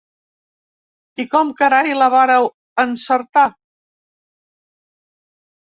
I com carai la vàreu encertar?